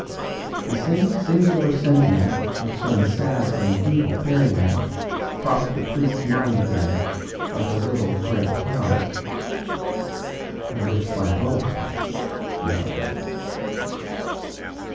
The same singular sentiment of some sad and evil fairyland crossed the priest's mind again like a little grey cloud. "I wish Flambeau were back," he muttered.